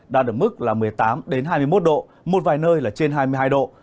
đạt mức một mươi tám hai mươi một độ một vài nơi là trên hai mươi hai độ